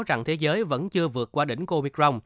rằng thế giới vẫn chưa vượt qua đỉnh covid một mươi chín